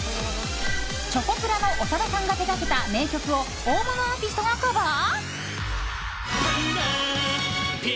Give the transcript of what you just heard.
チョコプラの長田さんが手がけた迷曲を大物アーティストがカバー？